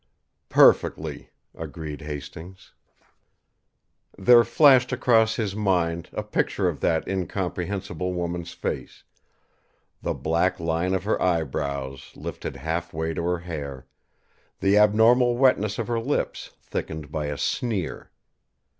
"Perfectly," agreed Hastings. There flashed across his mind a picture of that incomprehensible woman's face, the black line of her eyebrows lifted half way to her hair, the abnormal wetness of her lips thickened by a sneer.